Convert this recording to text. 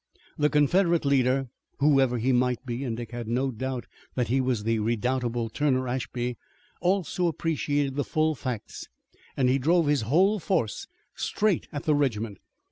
The Confederate leader, whoever he might be, and Dick had no doubt that he was the redoubtable Turner Ashby, also appreciated the full facts and he drove his whole force straight at the regiment.